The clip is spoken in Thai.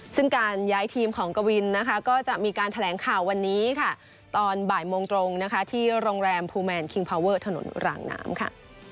ซึ่งการย้ายทีมของกวินนะคะก็จะมีการแถลงข่าววันนี้ค่ะตอนบ่ายโมงตรงนะคะที่โรงแรมภูแมนคิงพาวเวอร์ถนนรางน้ำค่ะ